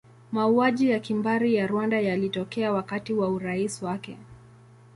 Mauaji ya kimbari ya Rwanda yalitokea wakati wa urais wake.